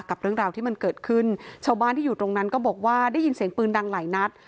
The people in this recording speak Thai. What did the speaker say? กับเรื่องราวที่มันเกิดขึ้นชาวบ้านที่อยู่ตรงนั้นก็บอกว่าได้ยินเสียงปืนดังหลายนัด